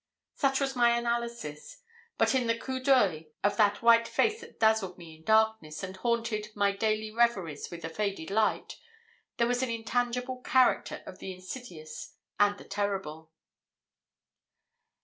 Such was my analysis; but in the coup d'oeil of that white face that dazzled me in darkness, and haunted my daily reveries with a faded light, there was an intangible character of the insidious and the terrible.